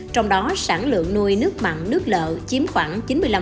trong đó sản lượng nuôi nước mặn nước lợ chiếm khoảng chín mươi năm